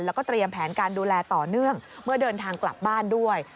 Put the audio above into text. แล้วก็เตรียมแผนการดูแลต่อเนื่องเมื่อเดินทางกลับบ้านด้วย